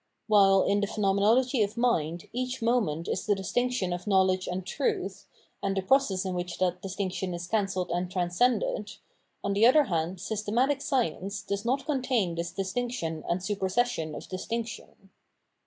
While in the Phenomen ology of Mind each moment is the distinction of know ledge and truth, and the process in which that distinction is cancelled and transcended, on the other hand System atic Science does not contain this distinction and supersession of distinction.